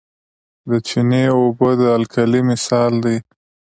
د چونې اوبه د القلي مثال دی.